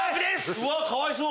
うわっかわいそう。